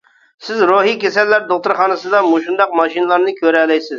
سىز روھىي كېسەللەر دوختۇرخانىسىدا مۇشۇنداق ماشىنىلارنى كۆرەلەيسىز.